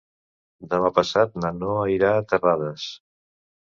Demà passat na Noa irà a Terrades.